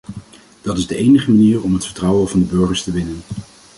Dat is de enige manier om het vertrouwen van de burgers te winnen.